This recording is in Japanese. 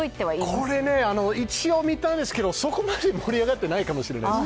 これ、一応見たんですけど、そこまで盛り上がってないかもしれないです。